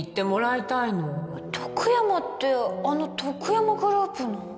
徳山ってあのとくやまグループの？